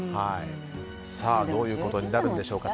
さあ、どういうことになるんでしょうか。